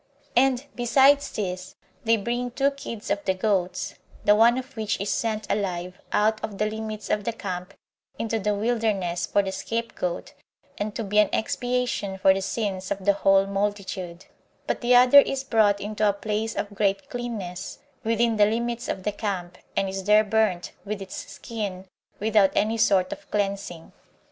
And, besides these, they bring two kids of the goats; the one of which is sent alive out of the limits of the camp into the wilderness for the scapegoat, and to be an expiation for the sins of the whole multitude; but the other is brought into a place of great cleanness, within the limits of the camp, and is there burnt, with its skin, without any sort of cleansing.